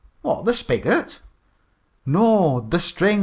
"What, the spigot?" "No, the string.